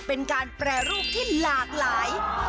เป็นการแปรรูปที่หลากหลาย